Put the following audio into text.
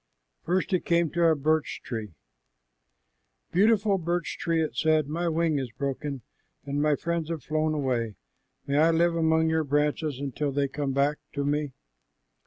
First it came to a birch tree. "Beautiful birch tree," it said, "my wing is broken, and my friends have flown away. May I live among your branches till they come back to me?"